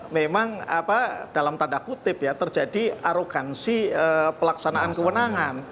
memang dalam tanda kutip ya terjadi arogansi pelaksanaan kewenangan